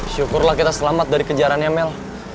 syukurlah kita selamat dari kejarannya mel